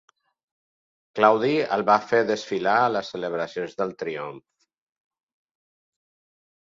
Claudi el va fer desfilar a les celebracions del triomf.